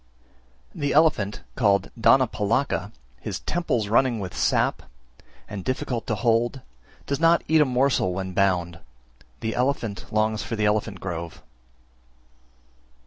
324. The elephant called Dhanapalaka, his temples running with sap, and difficult to hold, does not eat a morsel when bound; the elephant longs for the elephant grove.